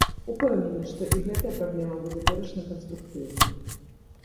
Упэўнены, што і гэтая праблема будзе вырашана канструктыўна.